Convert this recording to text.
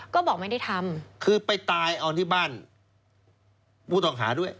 ก็บอกไม่ได้ทำคือไปตายเอาที่บ้านผู้ต้องหาด้วย